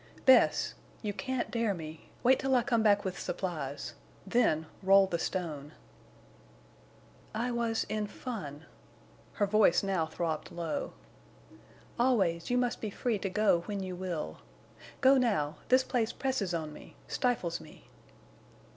"Bess!... You can't dare me! Wait till I come back with supplies—then roll the stone." "I—was—in—fun." Her voice now throbbed low. "Always you must be free to go when you will. Go now... this place presses on me—stifles me."